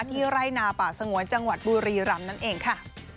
ไร่นาป่าสงวนจังหวัดบุรีรำนั่นเองค่ะ